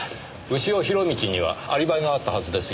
潮弘道にはアリバイがあったはずですよ。